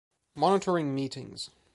Monitoring meetings.